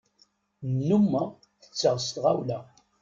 Nnumeɣ tetteɣ s tɣawla.